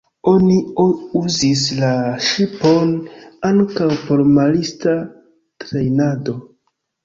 Oni uzis la ŝipon ankaŭ por marista trejnado.